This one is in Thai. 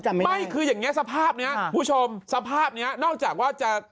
ไม่คืออย่างเงี้สภาพเนี้ยผู้ชมสภาพเนี้ยนอกจากว่าจะ